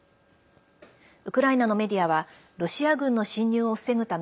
ウクライナのメディアはロシア軍の侵入を防ぐため